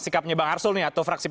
sikapnya bang arsul atau fraksi p tiga